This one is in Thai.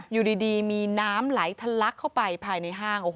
อยู่ดีมีน้ำไหลทะลักเข้าไปภายในห้าง